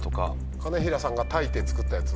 金平さんが炊いて作ったやつ？